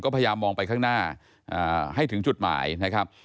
พยายามมองไปข้างหน้าให้ถึงจุดหมายนะครับ